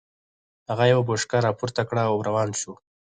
هغه يوه بوشکه را پورته کړه او روان شو.